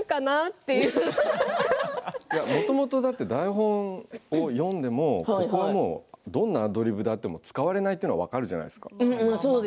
もともと台本を読んでも、ここはもうどんなアドリブであっても使われないっていうのが分かるじゃないですか。